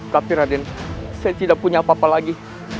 tapi raden saya tidak punya apa apa lagi